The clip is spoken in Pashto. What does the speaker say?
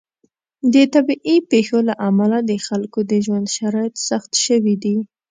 د طبیعي پیښو له امله د خلکو د ژوند شرایط سخت شوي دي.